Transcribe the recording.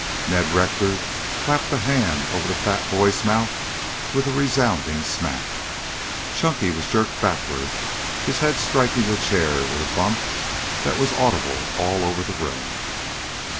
Ned Rector clapped a hand over the fat boy's mouth with a resounding smack. Chunky was jerked backward, his head striking the chair with a bump that was audible all over the room.